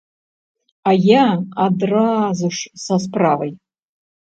А я адразу ж са справай.